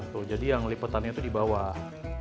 tuh jadi yang lipatannya tuh di bawah